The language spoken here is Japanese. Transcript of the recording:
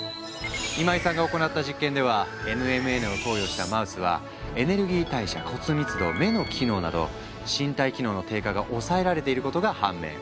今井さんが行った実験ではＮＭＮを投与したマウスはエネルギー代謝骨密度目の機能など身体機能の低下が抑えられていることが判明。